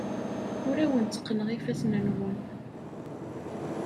Ur awen-tteqqneɣ ifassen-nwen.